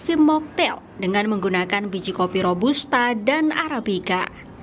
film moktail dengan menggunakan biji kopi robusta dan arabica